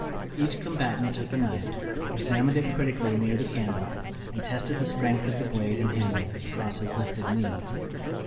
Each combatant took a knife, examined it critically near the candle and tested the strength of the blade and handle across his lifted knee.